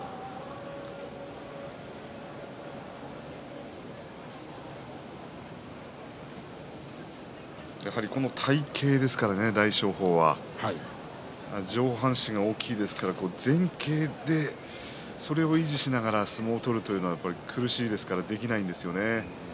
大翔鵬この体形ですからね上半身が大きいですから前傾で、それを維持しながら相撲を取るというのは苦しいですからできないですよね。